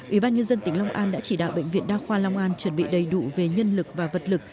ủy ban nhân dân tỉnh long an đã chỉ đạo bệnh viện đa khoa long an chuẩn bị đầy đủ về nhân lực và vật lực